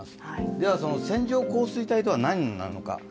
ではその線状降水帯とは何なのか。